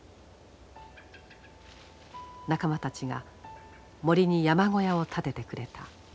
仲間たちが森に山小屋を建ててくれた。